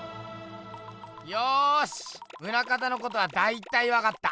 よし棟方のことはだいたいわかった。